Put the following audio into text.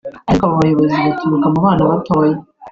ariko abo bayobozi baturuka mu bana batoya